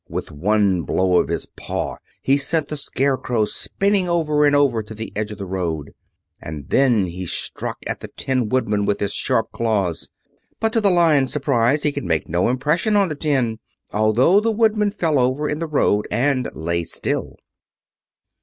With one blow of his paw he sent the Scarecrow spinning over and over to the edge of the road, and then he struck at the Tin Woodman with his sharp claws. But, to the Lion's surprise, he could make no impression on the tin, although the Woodman fell over in the road and lay still.